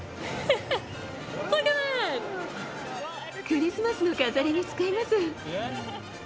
クリスマスの飾りに使います。